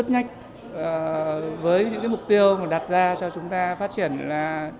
rất nhanh với những mục tiêu mà đặt ra cho chúng ta phát triển là